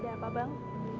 ada apa bang